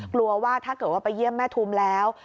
กลัวว่าถ้าเกิดว่าไปเยี่ยมแม่ทุมแล้ว